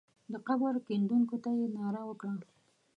د قبر کیندونکو ته یې ناره وکړه.